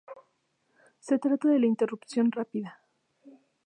Se trata de la interrupción rápida.